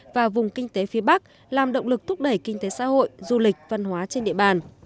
và vùng kinh tế phía bắc làm động lực thúc đẩy kinh tế xã hội du lịch văn hóa trên địa bàn